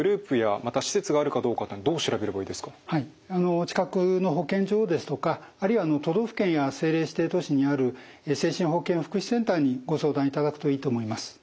お近くの保健所ですとかあるいは都道府県や政令指定都市にある精神保健福祉センターにご相談いただくといいと思います。